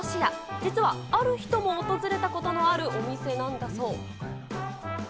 実はある人も訪れたことのあるお店なんだそう。